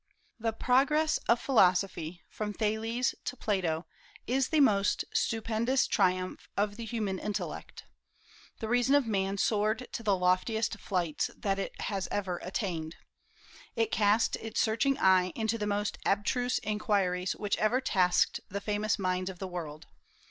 The progress of philosophy from Thales to Plato is the most stupendous triumph of the human intellect. The reason of man soared to the loftiest flights that it has ever attained. It cast its searching eye into the most abstruse inquiries which ever tasked the famous minds of the world.